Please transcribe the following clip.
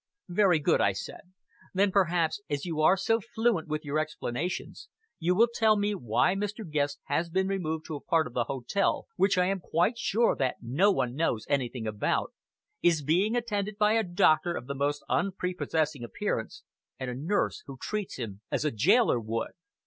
"Very good," I said. "Then, perhaps, as you are so fluent with your explanations, you will tell me why Mr. Guest has been removed to a part of the hotel which I am quite sure that no one knows anything about, is being attended by a doctor of most unprepossessing appearance, and a nurse who treats him as a jailer would!"